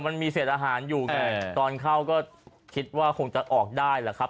มันมีเศษอาหารอยู่ไงตอนเข้าก็คิดว่าคงจะออกได้แหละครับ